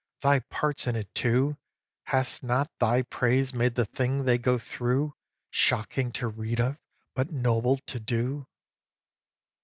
Thy part's in it too; Has not thy praise made the thing they go through Shocking to read of, but noble to do?